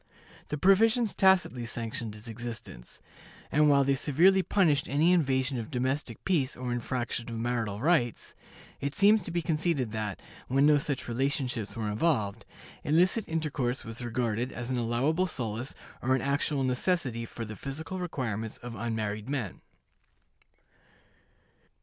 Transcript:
The provisions tacitly sanctioned its existence; and while they severely punished any invasion of domestic peace or infraction of marital rights, it seems to be conceded that, when no such relationships were involved, illicit intercourse was regarded as an allowable solace or an actual necessity for the physical requirements of unmarried men.